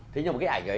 thế nhưng mà cái ảnh đó